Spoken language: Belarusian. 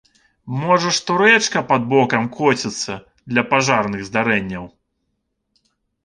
Можа, што рэчка пад бокам коціцца для пажарных здарэнняў.